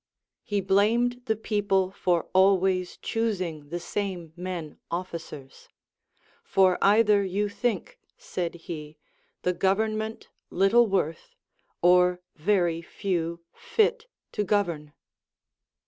He bhimed the people for always choosing the same men officers ; For either you think, said he, the government little worth, or very few fit to govern.